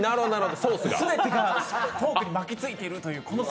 全てがフォークに巻きついてるという。